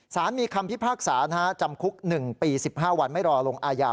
สารมีคำพิพากษาจำคุก๑ปี๑๕วันไม่รอลงอาญา